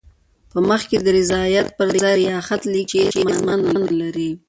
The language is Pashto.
په مخ کې د ریاضت پر ځای ریاخت لیکي چې هېڅ معنی نه لري.